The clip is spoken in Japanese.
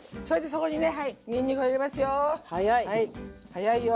早いよ。